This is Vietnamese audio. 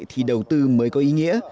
vậy thì đầu tư mới có ý nghĩa